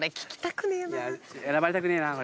選ばれたくねえな。